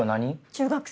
中学生。